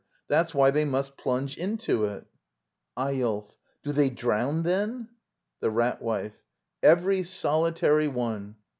— That's why they must plunge into it. Eyolf. Do they drown, then? The Rat Wife. Every solitary one.